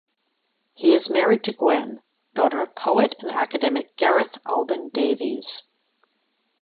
He is married to Gwen, daughter of poet and academic Gareth Alban Davies.